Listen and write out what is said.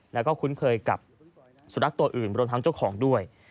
แล้วก็คุ้นเคยกับสุนัขตัวอื่นรวมทั้งเจ้าของด้วย